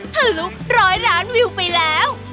ทะลุร้อยล้านวิวไปแล้ว